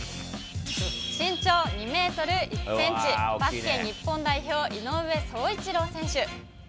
身長２メートル１センチ、バスケ日本代表、井上宗一郎選手。